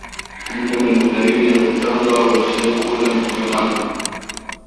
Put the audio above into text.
Mnyama mweye dalili za kichaaa hushindwa kula na huogopa maji